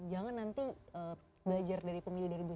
jangan nanti belajar dari pemilih dari dua ribu sembilan belas ya